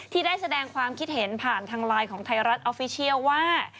ที่ได้แสดงความคิดเห็นผ่านทางไลน์ของไทยรัฐออฟฟิเชียลว่า